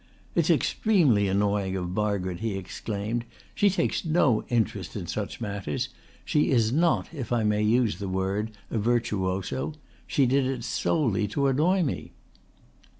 "It's extremely annoying of Margaret," he exclaimed. "She takes no interest in such matters. She is not, if I may use the word, a virtuoso. She did it solely to annoy me."